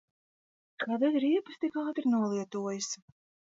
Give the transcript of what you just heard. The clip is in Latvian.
Kādēļ riepas tik ātri nolietojas?